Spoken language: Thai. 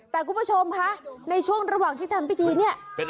แต่คุณผู้ชมคะในช่วงระหว่างที่ทำพิธีเนี่ย